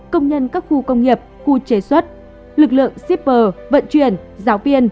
công nhân các khu công nghiệp khu chế xuất lực lượng shipper vận chuyển giáo viên